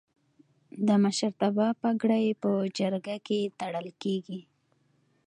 د مشرتابه پګړۍ په جرګه کې تړل کیږي.